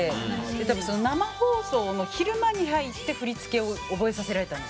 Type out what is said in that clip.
多分生放送の昼間に入って振り付けを覚えさせられたんですよ。